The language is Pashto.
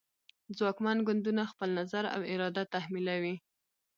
ځواکمن ګوندونه خپل نظر او اراده تحمیلوي